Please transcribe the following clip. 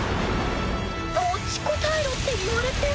持ちこたえろって言われても。